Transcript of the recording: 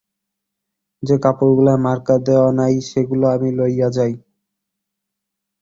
যে কাপড়গুলায় মার্কা দেওয়া হয় নাই, সেগুলা আমি লইয়া যাই।